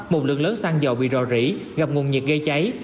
một lượng lớn xăng dầu bị rò rỉ gặp nguồn nhiệt gây cháy